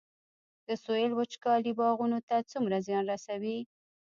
د سویل وچکالي باغونو ته څومره زیان رسوي؟